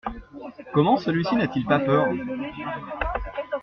Comment celui-ci n'a-t-il pas peur?